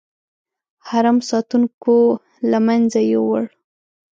حرم ساتونکو له منځه یووړ.